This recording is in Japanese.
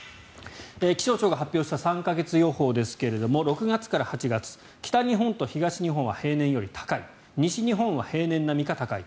気象庁が発表した３か月予報ですが６月から８月北日本と東日本は平年より高い西日本は平年並みか高い。